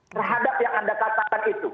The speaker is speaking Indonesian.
terhadap yang anda katakan